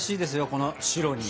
この「白」には。